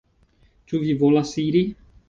Ĉu vi volas iri?